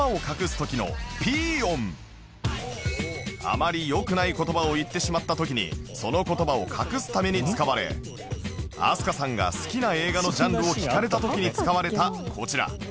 あまり良くない言葉を言ってしまった時にその言葉を隠すために使われ飛鳥さんが好きな映画のジャンルを聞かれた時に使われたこちら